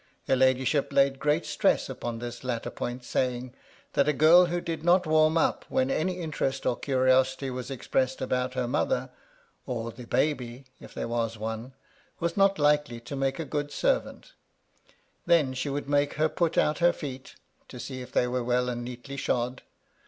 Her ladyship laid great stress upon this latter point, saying that a girl who did not warm up when any interest or curiosity was expressed about her mother, or the " baby " (if there was one), was not likely to make a good servant Then she would make her put out her feet, to see if they were well and neatly shod.